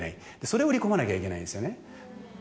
それを売り込まなきゃいけないんですよね。